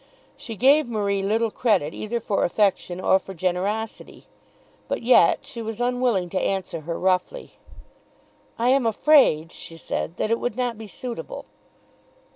She gave Marie little credit either for affection or for generosity; but yet she was unwilling to answer her roughly. "I am afraid," she said, "that it would not be suitable."